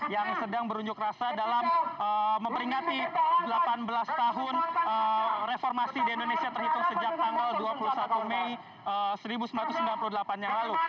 yang sedang berunjuk rasa dalam memperingati delapan belas tahun reformasi di indonesia terhitung sejak tanggal dua puluh satu mei seribu sembilan ratus sembilan puluh delapan yang lalu